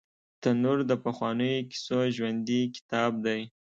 تنور د پخوانیو کیسو ژوندي کتاب دی